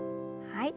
はい。